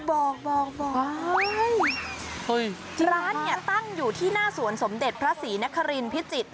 บอกบอกร้านเนี่ยตั้งอยู่ที่หน้าสวนสมเด็จพระศรีนครินพิจิตร